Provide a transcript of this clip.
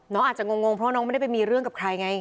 น้องอาจจะงงเพราะน้องไม่ได้ไปมีเรื่องกับใครไง